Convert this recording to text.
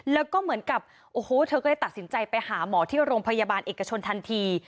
แล้วก็เหมือนกับโอ้โหเธอก็เลยตัดสินใจไปหาหมอที่โรงพยาบาลเอกชนทันที